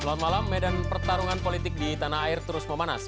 selamat malam medan pertarungan politik di tanah air terus memanas